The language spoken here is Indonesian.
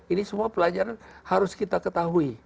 ini semua pelajaran harus kita ketahui